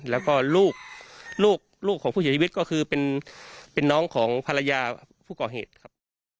แล้วก็ลูกลูกของผู้เสียชีวิตก็คือเป็นน้องของภรรยาผู้ก่อเหตุครับ